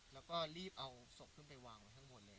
แล้วก็รีบเอาศพขึ้นไปวางไว้ข้างบนเลย